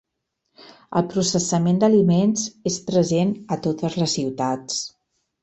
El processament d'aliments és present a totes les ciutats.